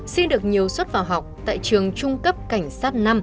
xin được nhiều xuất vào học tại trường trung cấp cảnh sát năm